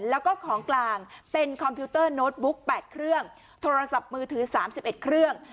แล้วก็ของกลางเป็นคอมพิวเตอร์โน้ตบุ๊ก๘เครื่องโทรศัพท์มือถือ๓๑เครื่อง